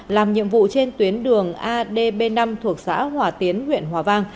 làm nhiệm vụ trên tuyến đường adb năm thuộc xã hòa tiến huyện hòa vang